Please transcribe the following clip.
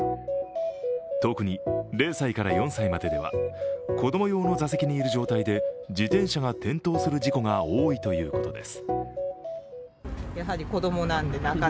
特に０歳から４歳まででは子供用の座席にいる状態で自転車が転倒する事故が多いということです。